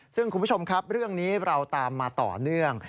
ซึ่งคุณผู้ชมครับเรื่องนี้เราตามมาต่อเนื่อง